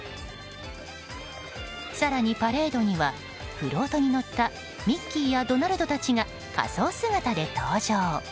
更に、パレードにはフロートに乗ったミッキーやドナルドたちが仮装姿で登場。